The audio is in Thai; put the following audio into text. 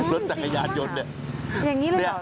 รถจังหยาดยนต์เนี่ย